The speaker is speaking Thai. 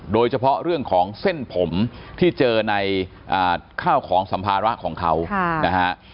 โดยเฉพาะเรื่องของเส้นผมที่เจอในข้าวของสัมภาระของเขานะฮะ